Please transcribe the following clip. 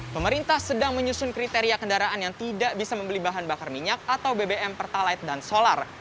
pemerintah sedang menyusun kriteria kendaraan yang tidak bisa membeli bahan bakar minyak atau bbm pertalite dan solar